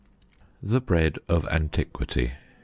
214. The Bread of Antiquity.